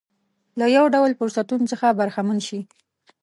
له یو ډول فرصتونو څخه برخمن شي.